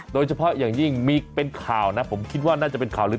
โดยเฉพาะอย่างยิ่งมีเป็นข่าวนะผมคิดว่าน่าจะเป็นข่าวลื้อ